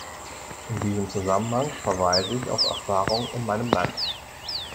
In diesem Zusammenhang verweise ich auf Erfahrungen in meinem Land.